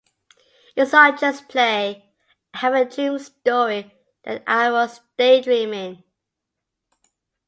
It's not just play. I have a dream story that I was daydreaming.